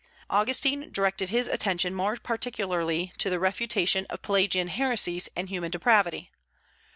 Augustine directed his attention more particularly to the refutation of Pelagian heresies and human Depravity.